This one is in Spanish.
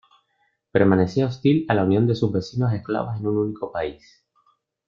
Permanecía hostil a la unión de sus vecinos eslavos en un único país.